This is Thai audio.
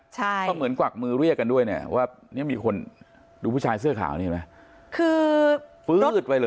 ใช่เขาเหมือนกวักมือเรียกกันด้วยนะว่านี่มีคนดูผู้ชายเสื้อขาวนี่เหมือนไหม